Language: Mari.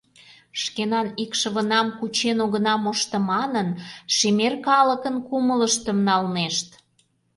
Шкенан икшывынам кучен огына мошто манын, шемер калыкын кумылыштым налнешт.